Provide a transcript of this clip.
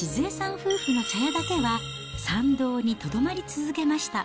夫婦の茶屋だけは、参道にとどまり続けました。